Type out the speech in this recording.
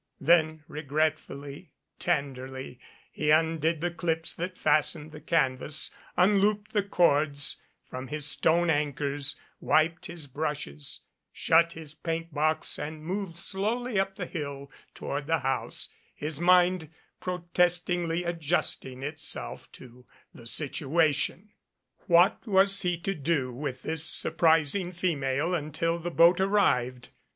Then regretfully, tenderly, he undid the clips that fastened the canvas, unlooped the cords from his stone anchors, wiped his brushes, shut his paint box and moved slowly up the hill toward the house, his mind protestingly adjusting itself to the situation. What was he to do with this surprising female until the boat arrived.